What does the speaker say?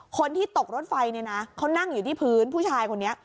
คนที่ตกรถไฟเนี่ยนะเขานั่งอยู่ที่พื้นผู้ชายคนนี้